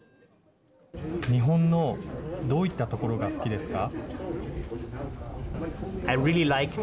日本のどういったところが好きですか。